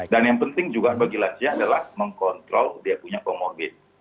dan yang penting juga bagi lansia adalah mengkontrol dia punya komorbid